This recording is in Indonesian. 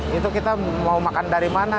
di mana ada tiga rumah yang berada di jawa tenggara